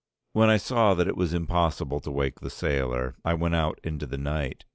When I saw that it was impossible to wake the sailor I went out into the night.